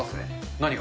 何が？